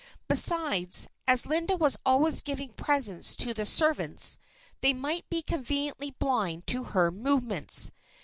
Besides, as Linda was always giving presents to the servants, they might be conveniently blind to her movements.